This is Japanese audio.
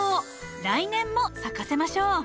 来年も咲かせましょう。